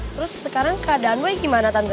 terus sekarang keadaan gue gimana tante